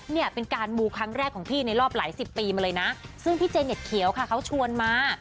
เนี่ยเป็นการมูครั้งแรกของพี่ในรอบหลายสิบปีมาเลยนะซึ่งพี่เจเน็ตเขียวค่ะเขาชวนมา